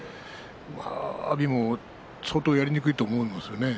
阿炎も相当やりにくいと思うんですね。